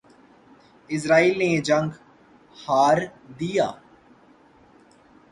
اسرائیل نے یہ جنگ ہار دیا